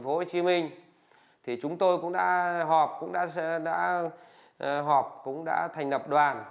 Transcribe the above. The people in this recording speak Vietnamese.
tp hcm thì chúng tôi cũng đã họp cũng đã thành lập đoàn